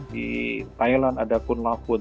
di thailand ada kun lafut